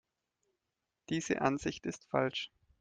Diese Ansicht ist falsch.